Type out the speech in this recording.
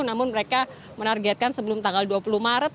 namun mereka menargetkan sebelum tanggal dua puluh maret